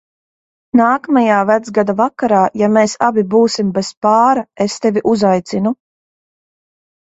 Nākamajā Vecgada vakarā, ja mēs abi būsim bez pāra, es tevi uzaicinu.